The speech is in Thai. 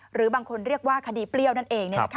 หรือบางคนเรียกว่าคดีเปรี้ยวนั่นเอง